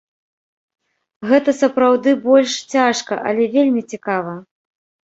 Гэта сапраўды больш цяжка, але вельмі цікава.